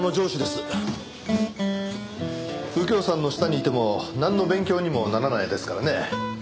右京さんの下にいてもなんの勉強にもならないですからね。